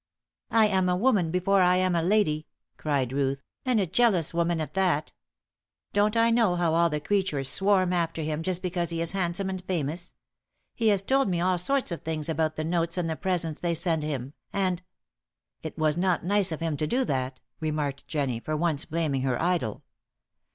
"I am a woman before I am a lady," cried Ruth. "And a jealous woman at that. Don't I know how all the creatures swarm after him just because he is handsome and famous! He has told me all sorts of things about the notes and the presents they send him, and " "It was not nice of him to do that," remarked Jennie, for once blaming her idol.